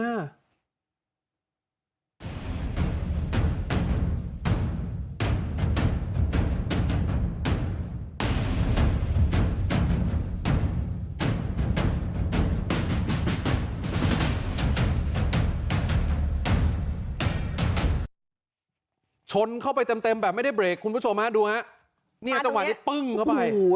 ชนเข้าไปเต็มแบบไม่ได้เบรกคุณผู้ชมฮะดูฮะเนี่ยจังหวะนี้ปึ้งเข้าไป